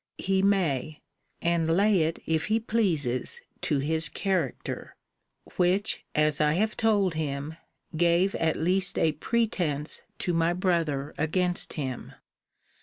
He may; and lay it, if he pleases, to his character; which, as I have told him, gave at least a pretence to my brother against him.